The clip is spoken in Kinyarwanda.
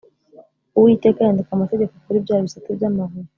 Uwiteka yandika Amategeko kuri bya bisate by’amabuye